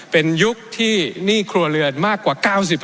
เป็นยุคที่หนี้ครัวเรือนมากกว่า๙๐